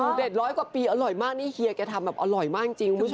เด็ดร้อยกว่าปีอร่อยมากนี่เฮียแกทำแบบอร่อยมากจริงคุณผู้ชม